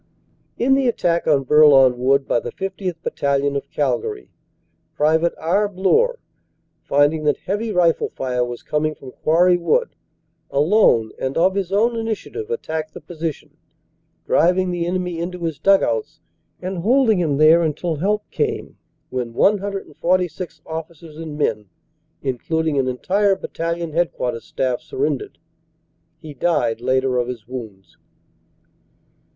In the attack on Bourlon Wood by the SOth. Battalion, of Calgary, Pte. R. Bloor, finding that heavy rifle fire was coming from Quarry Wood, alone and of his own initiative attacked the position, driving the enemy into his dug outs and holding him there until help came, when 146 officers and men, includ ing an entire Battalion Headquarters staff, surrendered. He died later of his wounds.